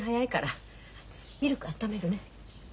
ミルクあっためるね。